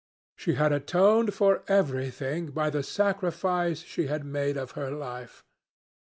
She had atoned for everything by the sacrifice she had made of her life.